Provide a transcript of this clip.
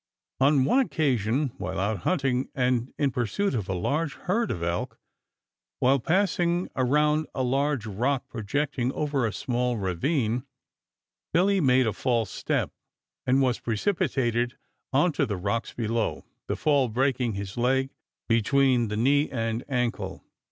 On one occasion while out hunting and in pursuit of a large herd of elk, while passing around a large rock projecting over a small ravine, Billy made a false step and was precipitated onto the rocks below, the fall breaking his leg between the knee and ankle.